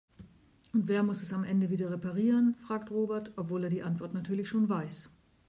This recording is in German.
Und wer muss es am Ende wieder reparieren?, fragt Robert, obwohl er die Antwort natürlich schon weiß.